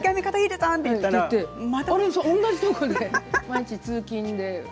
毎日通勤で。